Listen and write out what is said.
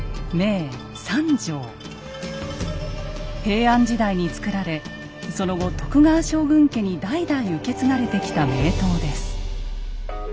平安時代につくられその後徳川将軍家に代々受け継がれてきた名刀です。